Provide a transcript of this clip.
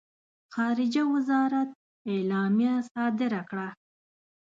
خارجه وزارت اعلامیه صادره کړه.